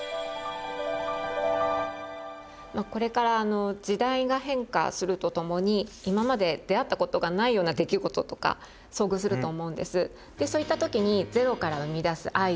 これから時代が変化するとともに今まで出会ったことがないような出来事とか遭遇すると思うんです。